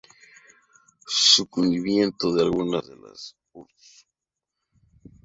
Sucumbiendo ante las fuerzas de los urss.